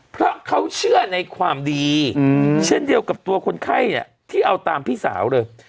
เพราะเขาเชื่อในความดีเช่นเดียวกับตัวคนไข้เนี่ยที่เอาตามพี่สาวเลย